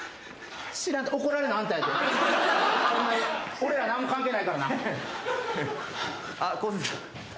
俺ら何も関係ないからな。